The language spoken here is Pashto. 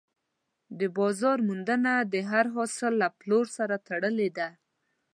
د بازار موندنه د هر حاصل له پلور سره تړلې ده.